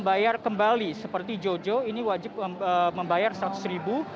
membayar kembali seperti jojo ini wajib membayar seratus ribu